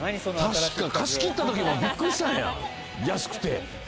貸し切った時も、びっくりしたんや、安くて。